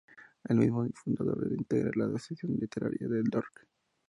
Es miembro fundador e integra la Asociación Literaria “Dr.